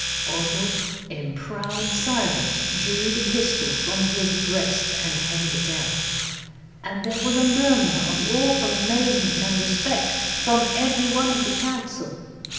Oswald, in proud silence, drew the pistol from his breast and held it out, and there was a murmur of awful amazement and respect from every one of the council.